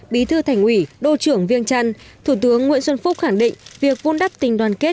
bí thư thành ủy đô trưởng viêng trăn thủ tướng nguyễn xuân phúc khẳng định việc vun đắp tình đoàn kết